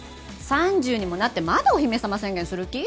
３０にもなってまだお姫様宣言する気？